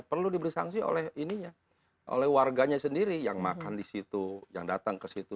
perlu diberi sanksi oleh warganya sendiri yang makan di situ yang datang ke situ